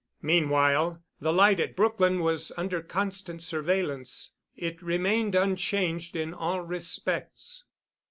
Meanwhile the light at Brookline was under constant surveillance. It remained unchanged in all respects.